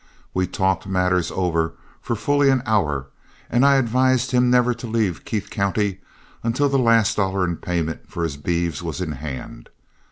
We talked matters over for fully an hour, and I advised him never to leave Keith County until the last dollar in payment for his beeves was in hand.